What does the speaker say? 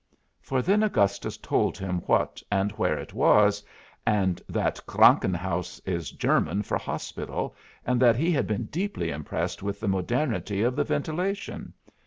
For then Augustus told him what and where it was, and that Krankenhaus is German for hospital, and that he had been deeply impressed with the modernity of the ventilation.